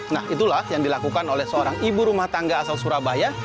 nah itulah yang dilakukan oleh seorang ibu rumah tangga asal surabaya